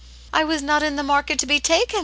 "I was not in the market to be taken .